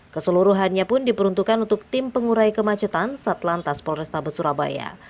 keseluruhannya pun diperuntukkan untuk tim pengurai kemacetan satlantas polrestabes surabaya